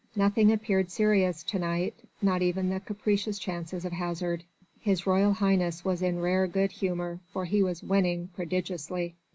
Nothing appeared serious to night, not even the capricious chances of hazard. His Royal Highness was in rare good humour, for he was winning prodigiously.